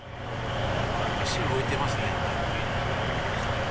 足動いてますね。